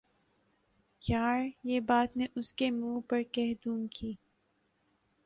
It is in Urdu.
یار، یہ بات میں اس کے منہ پر کہ دوں گی